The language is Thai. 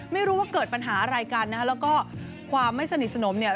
ไม่รู้ว่าเกิดปัญหาอะไรกันนะฮะแล้วก็ความไม่สนิทสนมเนี่ย